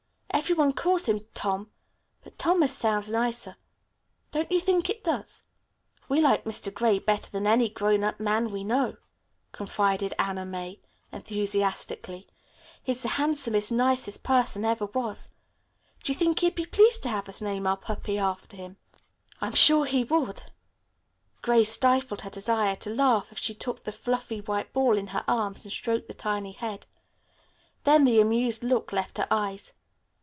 "Every one calls him Tom, but Thomas sounds nicer. Don't you think it does?" "We like Mr. Gray better than any grown up man we know," confided Anna May enthusiastically. "He's the handsomest, nicest person ever was. Do you think he'd be pleased to have us name our puppy for him?" "I'm sure he would." Grace stifled her desire to laugh as she took the fluffy white ball in her arms and stroked the tiny head. Then the amused look left her eyes.